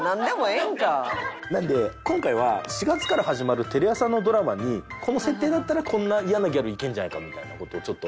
なので今回は４月から始まるテレ朝のドラマにこの設定だったらこんな嫌なギャルいけるんじゃないかみたいな事をちょっと。